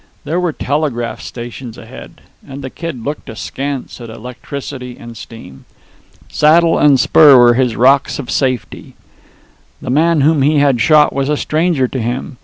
There were telegraph stations ahead; and the Kid looked askance at electricity and steam. Saddle and spur were his rocks of safety. The man whom he had shot was a stranger to him.